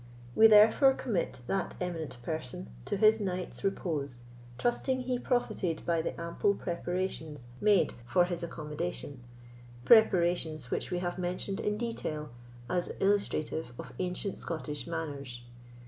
We therefore commit that eminent person to his night's repose, trusting he profited by the ample preparations made for his accommodation—preparations which we have mentioned in detail, as illustrative of ancient Scottish manners.